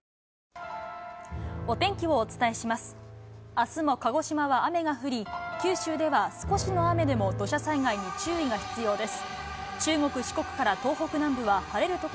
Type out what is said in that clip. あすも鹿児島は雨が降り、九州では少しの雨でも土砂災害に注意が必要です。